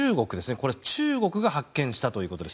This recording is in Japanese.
これは中国が発見したということです。